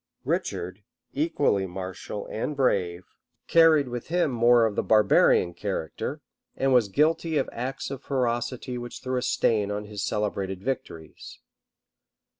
Richard, equally martial and brave, carried with him more of the barbarian character, and was guilty of acts of ferocity which threw a stain on his celebrated victories.